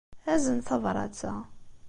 Azen tabṛat-a.